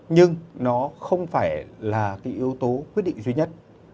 nhưng nó không phải là cái yếu tố quyết định duy nhất